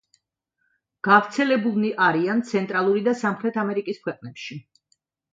გავრცელებულნი არიან ცენტრალური და სამხრეთ ამერიკის ქვეყნებში.